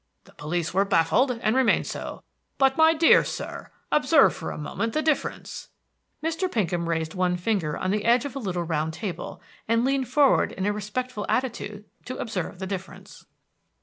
The police were baffled, and remain so. But, my dear sir, observe for a moment the difference." Mr. Pinkham rested one finger on the edge of a little round table, and leaned forward in a respectful attitude to observe the difference.